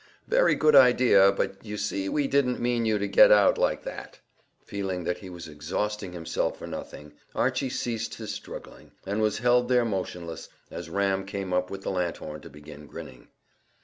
"Very good idea, but you see we didn't mean you to get out like that." Feeling that he was exhausting himself for nothing, Archy ceased his struggling, and was held there motionless, as Ram came up with the lanthorn to begin grinning.